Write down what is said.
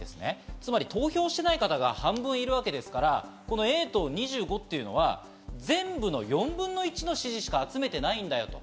つまり投票しない方が半分いるわけですから、Ａ党・２５というのは、全部の４分の１の支持しか集めていないんだよと。